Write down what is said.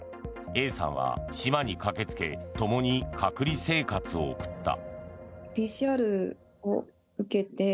Ａさんは島に駆けつけともに隔離生活を送った。